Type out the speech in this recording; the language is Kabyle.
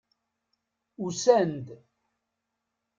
Usan-d.